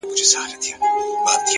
هره تجربه نوی اړخ ښکاره کوي!